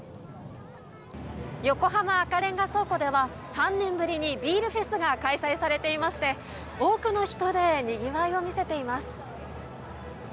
横浜赤レンガ倉庫では３年ぶりにビールフェスが開催されていまして多くの人でにぎわいを見せています。